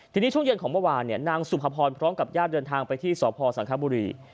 ทีนี้ช่วงเย็นของเมื่อวานนางสุภพรพร้อมกับญาติเดินทางไปที่สพสังคบุรี